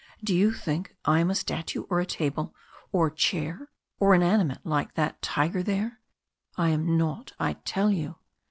"Do you think I am a statue, or a table, or chair or inanimate like that tiger there? I am not, I tell you!"